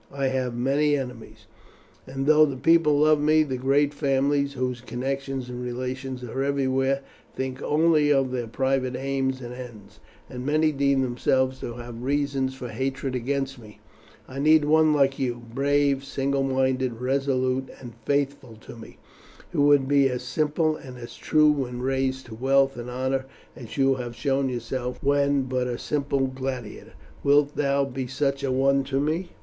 I have many enemies, and though the people love me, the great families, whose connections and relations are everywhere, think only of their private aims and ends, and many deem themselves to have reasons for hatred against me. I need one like you, brave, single minded, resolute, and faithful to me, who would be as simple and as true when raised to wealth and honour as you have shown yourself when but a simple gladiator. Wilt thou be such a one to me?"